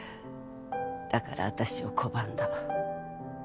だから私を拒んだ。